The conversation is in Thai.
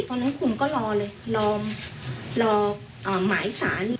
ตอนนั้นคุณก็รอเลยรอหมายสาร